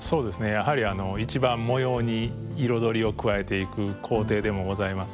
やはり一番模様に彩りを加えていく工程でもございます。